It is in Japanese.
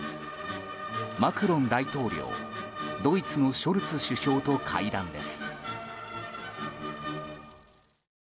マクロン大統領ドイツのショルツ首相と会談です。